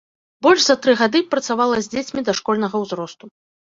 Больш за тры гады працавала з дзецьмі дашкольнага ўзросту.